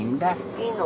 いいの？